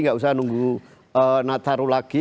nggak usah nunggu nataru lagi